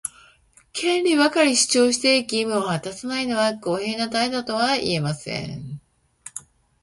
権利ばかり主張して、義務を果たさないのは公平な態度とは言えません。